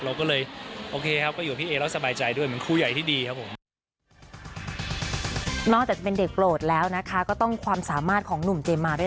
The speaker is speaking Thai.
เราก็เลยโอเคครับก็อยู่กับพี่เอแล้วสบายใจด้วย